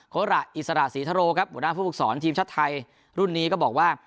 โคระอิสระศรีทโรครับบัญญาณผู้ฝุ่งศัลท์ทีมชัดไทยรุ่นนี้ก็บอกว่า